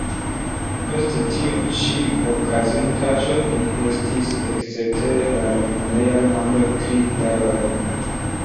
Post tiu ĉi okazintaĵo li restis ekster la lerneja mondo tri jarojn.